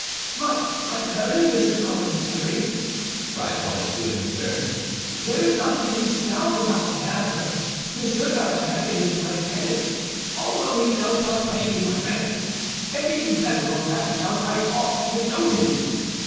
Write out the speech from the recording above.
"But I tell you, Monsieur Commissary," cried Bonacieux, in his turn, "there is not the least doubt about the matter. Monsieur d'Artagnan is my tenant, although he does not pay me my rent—and even better on that account ought I to know him.